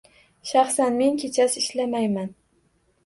Shaxsan men kechasi ishlamayman.